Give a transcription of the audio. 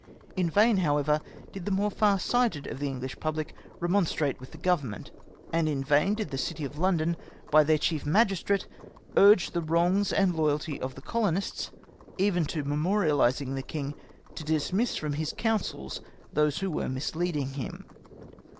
* In vain, however, did the more flir sighted of the Enghsh public remonstrate with the Government, and in vain did the City of London by their chief magistrate urge the wrongs and loyalty of the colonists, even to memoriahsing the king to dismiss from his councils those who were misleading him.